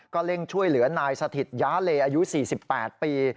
เร่งช่วยเหลือนายสถิตย้าเลอายุ๔๘ปี